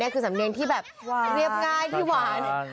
คือสำเนียงที่แบบเรียบง่ายที่หวาน